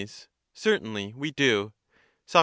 Certainly we do. Soc.